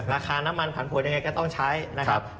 ราคาน้ำมันผลันผลอย่างไรก็ต้องใช้